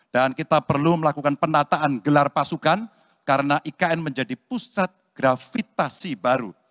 dan kita perlu melakukan penataan gelar pasukan karena ikn menjadi pusat gravitasi baru